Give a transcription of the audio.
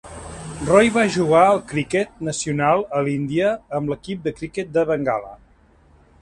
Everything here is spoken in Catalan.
Roy va jugar al criquet nacional a l'Índia amb l'equip de criquet de Bengala.